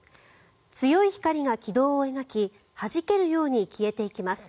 強い光が軌道を描きはじけるように消えていきます。